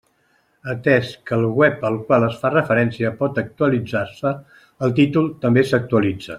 Atès que el web al qual es fa referència pot actualitzar-se, el títol també s'actualitza.